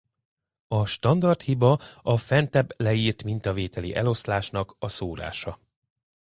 A standard hiba a fentebb leírt mintavételi eloszlásnak a szórása.